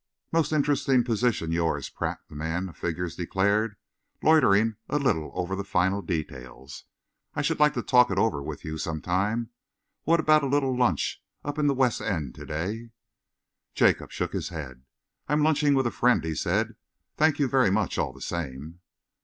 "Most interesting position, yours, Pratt," the man of figures declared, loitering a little over the final details. "I should like to talk it over with you sometime. What about a little lunch up in the West End to day?" Jacob shook his head. "I am lunching with a friend," he said. "Thank you very much, all the same."